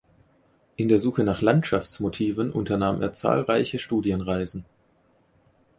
In der Suche nach Landschaftsmotiven unternahm er zahlreiche Studienreisen.